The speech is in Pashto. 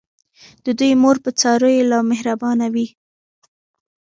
د دوی مور په څارویو لا مهربانه وي.